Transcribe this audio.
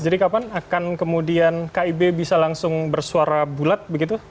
jadi kapan akan kemudian kib bisa langsung bersuara bulat begitu